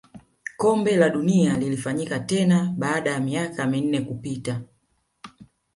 kombe la dunia lilifanyika tena baada ya miaka minne kupita